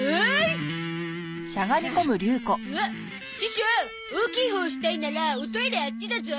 師匠大きいほうしたいならおトイレあっちだゾ。